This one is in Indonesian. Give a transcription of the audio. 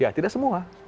ya tidak semua